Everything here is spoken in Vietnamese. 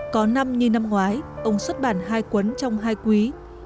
có năm như năm ngoái ông xuất bản hai cuốn trong hai quý